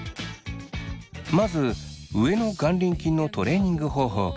まず上の眼輪筋のトレーニング方法から。